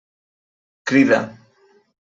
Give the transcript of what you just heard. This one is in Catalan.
Crida.